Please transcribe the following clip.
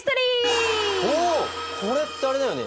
おこれってあれだよね？